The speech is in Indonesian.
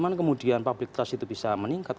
bagaimana kemudian public trust itu bisa meningkat